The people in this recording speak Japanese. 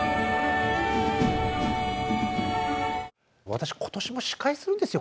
私今年も司会するんですよ。